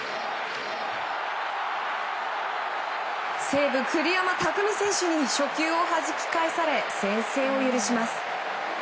西武、栗山巧選手に初球をはじき返され先制を許します。